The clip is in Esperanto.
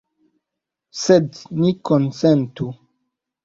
Sed ni konsentu.